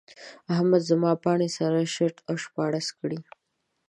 احمد زما پاڼې سره شرت او شپاړس کړې.